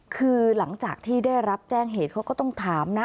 คือหลังจากที่ได้รับแจ้งเหตุเขาก็ต้องถามนะ